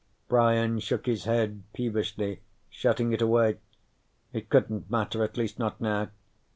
Brian shook his head peevishly, shutting it away. It couldn't matter, at least not now.